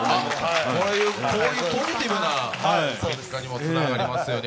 こういうポジティブな結果にもつながりますよね。